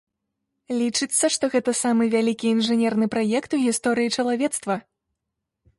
Лічыцца, што гэта самы вялікі інжынерны праект у гісторыі чалавецтва.